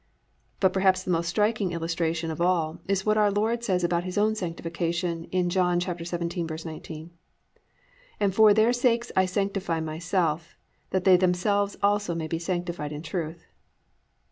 "+ But perhaps the most striking illustration of all is in what our Lord says about His own sanctification in John 17:19, +"And for their sakes I sanctify myself, that they themselves also may be sanctified in truth."